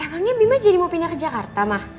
emangnya bima jadi mau pindah ke jakarta mah